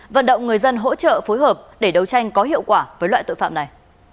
vận động người dân hỗ trợ phối hợp để đấu tranh có hiệu quả với loại tội phạm này